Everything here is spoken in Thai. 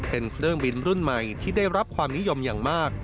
เป็นเครื่องบินรุ่นใหม่ที่ได้รับความนิยมอย่างมาก